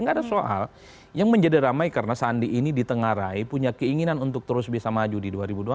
tidak ada soal yang menjadi ramai karena sandi ini ditengarai punya keinginan untuk terus bisa maju di dua ribu dua puluh empat